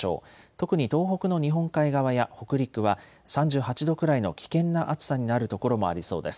特に東北の日本海側や北陸は３８度くらいの危険な暑さになる所もありそうです。